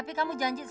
baik aku regardless